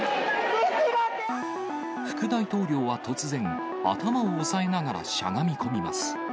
副大統領は突然、頭を押さえながらしゃがみ込みます。